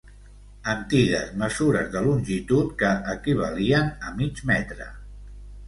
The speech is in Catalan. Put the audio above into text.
Antigues mesures de longitud que equivalien a mig metre.